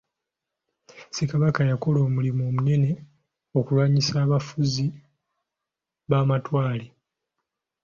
Ssekabaka yakola omulimu omunene okulwanyisa abafuzi b'amatwale.